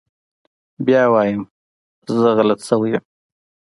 بيا وايم يه زه غلط سوى يم.